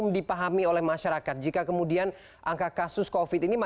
dipersiapkan untuk meningkatkan kapasitasnya